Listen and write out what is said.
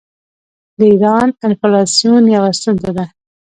د ایران انفلاسیون یوه ستونزه ده.